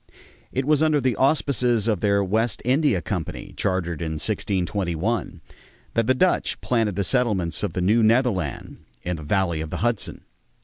It was under the auspices of their West India Company, chartered in 1621, that the Dutch planted the settlements of the New Netherland in the valley of the Hudson.